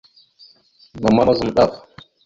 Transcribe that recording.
Namara mazam ɗaf.